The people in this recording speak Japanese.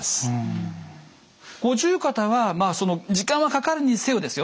五十肩はまあその時間はかかるにせよですよ